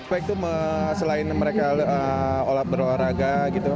baik itu selain mereka olahraga